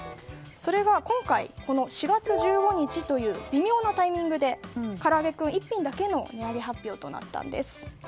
それが今回、４月１５日という微妙なタイミングでからあげクン１品だけの値上げ発表となったんです。